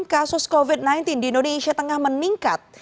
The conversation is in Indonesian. kasus covid sembilan belas di indonesia tengah meningkat